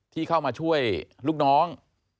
ที่เข้ามาช่วยลูกน้อง